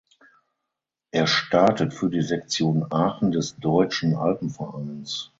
Er startet für die Sektion Aachen des Deutschen Alpenvereins.